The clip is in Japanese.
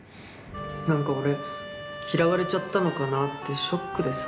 何か俺嫌われちゃったのかなってショックでさ。